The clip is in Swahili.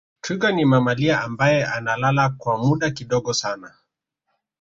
twiga ni mamalia ambaye analala kwa muda kidogo sana